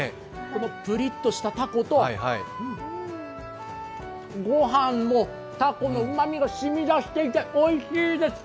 プリッとしたタコとご飯もタコのうまみがしみ出していておいしいです。